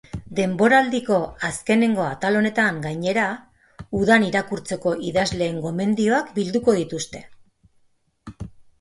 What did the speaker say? Denboraldiko azkeneko atal honetan, gainera, udan irakurtzeko idazleen gomendioak bilduko dituzte.